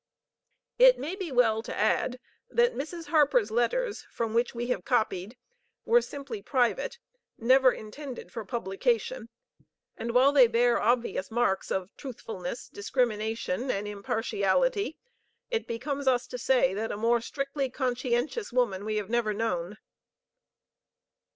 It may be well to add that Mrs. Harper's letters from which we have copied were simply private, never intended for publication; and while they bear obvious marks of truthfulness, discrimination and impartiality, it becomes us to say that a more strictly conscientious woman we have never known.